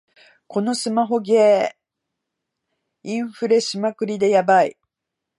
このスマホゲー、インフレしまくりでヤバい